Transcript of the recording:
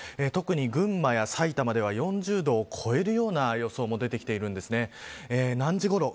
特に群馬や埼玉では４０度を超えるような予想も出てきているんです。